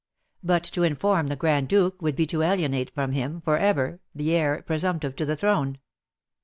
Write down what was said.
But to inform the Grand Duke would be to alienate from him for ever the heir presumptive to the throne.